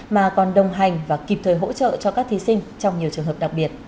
mà còn đồng hành và kịp thời hỗ trợ cho các thí sinh trong nhiều trường hợp đặc biệt